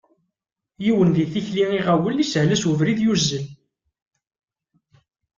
Yiwen di tikli iɣawel, ishel-as ubrid, yuzzel.